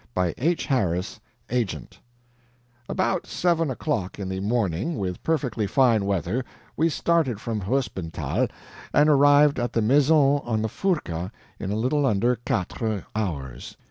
BY H. HARRIS, AGENT About seven o'clock in the morning, with perfectly fine weather, we started from Hospenthal, and arrived at the MAISON on the Furka in a little under QUATRE hours.